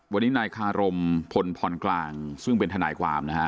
วันนี้นายคารมพลพรกลางซึ่งเป็นทนายความนะฮะ